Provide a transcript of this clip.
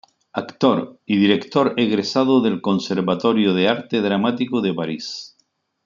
Actor y director egresado del conservatorio de arte dramático de París.